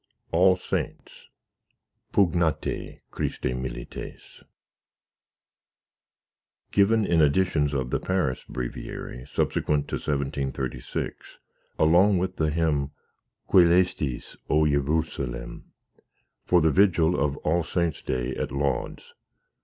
All Saints PUGNATE, CHRISTE MILITES Given in editions of the Paris Breviary subsequent to 1736, along with the hymn Cœlestis O Jerusalem, for the vigil of All Saints Day at Lauds.